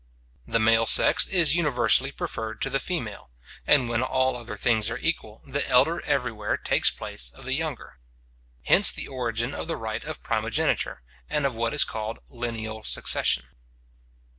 The male sex is universally preferred to the female; and when all other things are equal, the elder everywhere takes place of the younger. Hence the origin of the right of primogeniture, and of what is called lineal succession.